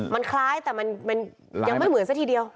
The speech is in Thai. มันคล้ายแต่มันยังไม่เหมือนซะทีเดียว